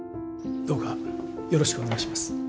どうかよろしくお願いします。